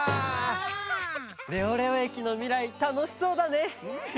レオレオ駅のみらいたのしそうだね！